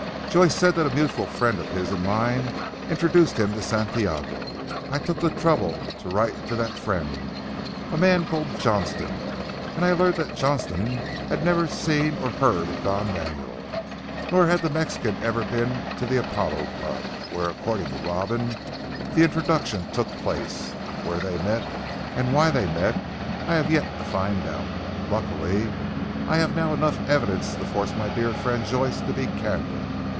Joyce said that a mutual friend of his and mine introduced him to Santiago. I took the trouble to write to that friend a man called Johnstone, and I learned that Johnstone had never seen or heard of Don Manuel, nor had the Mexican ever been to the Apollo Club where, according to Robin the introduction took place. Where they met, and why they met, I have yet to find out. Luckily I have now enough evidence to force my dear friend Joyce to be candid.